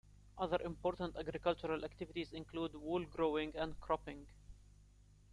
Other important agricultural activities include woolgrowing and cropping.